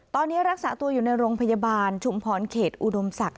ตอนนี้รักษาตัวอยู่ในโรงพยาบาลชุมพรเขตอุดมศักดิ